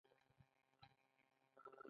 لکه زما په سترګو کې چي “ګوتهک چرچ” ویني